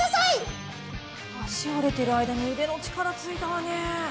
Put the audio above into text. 足折れてる間に腕の力ついたわね